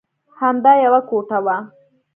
همدا یوه کوټه وه.